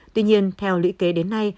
tuy nhiên theo lũy kế đến nay